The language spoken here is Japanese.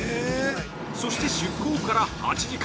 そして出港から８時間。